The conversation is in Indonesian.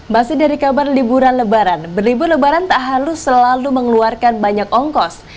masih dari kabar liburan lebaran berlibur lebaran tak halus selalu mengeluarkan banyak ongkos